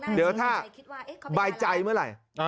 เดี๋ยวถ้าสบายใจเมื่อไหร่